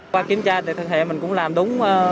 qua kiểm tra thực hiện mình cũng làm đúng